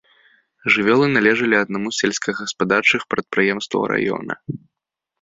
Жывёлы належалі аднаму з сельскагаспадарчых прадпрыемстваў раёна.